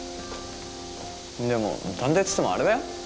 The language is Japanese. でも探偵っつってもあれだよ？